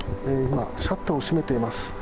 今、シャッターを閉めています。